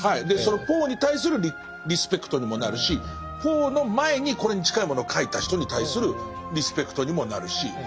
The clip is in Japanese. でそのポーに対するリスペクトにもなるしポーの前にこれに近いものを書いた人に対するリスペクトにもなるし。